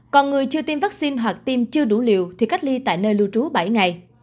còn người chưa tiêm vaccine hoặc tiêm chưa đủ liều thì cách ly tại nơi lưu trú bảy ngày